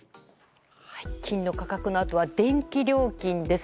金の価格のあとは電気料金です。